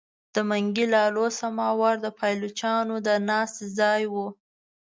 د منګي لالو سماوار د پایلوچانو د ناستې ځای وو.